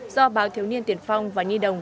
do báo thiếu niên tiền phong và nhi đồng